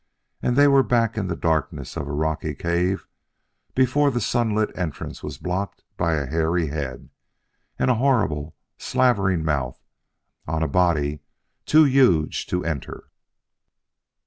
And they were back in the darkness of a rocky cave before the sunlit entrance was blocked by a hairy head and a horrible, slavering mouth on a body too huge to enter.